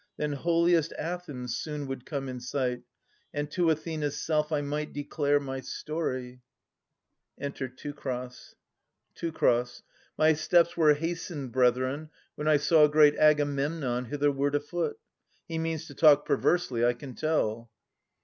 Then holiest Athens soon would come in sight. And to Athena's self I might declare my story. 1223 1250] Ams 95 Enter Teucer. Teu. My steps were hastened, brethren, when I saw Great Agamemnon hitherward afoot. He means to talk perversely, I can tell.